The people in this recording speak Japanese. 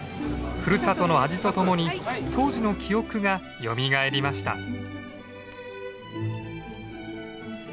ふるさとの味とともに当時の記憶がよみがえりました。